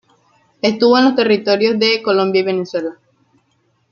Estuvo en los territorios de Colombia y Venezuela.